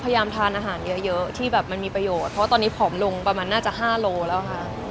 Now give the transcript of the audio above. พยายามทานอาหารเยอะเยอะที่แบบมันมีประโยชน์เพราะว่าตอนนี้ผอมลงประมาณน่าจะ๕โลแล้วค่ะ